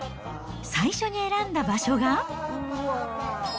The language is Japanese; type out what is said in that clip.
最初に選んだ場所が。